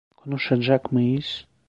Konuşacak mıyız?